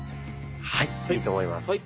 はいいいと思います。